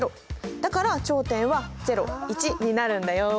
だから頂点はになるんだよ。